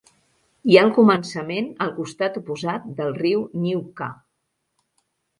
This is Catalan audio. Hi ha el començament al costat oposat del riu Nyvka.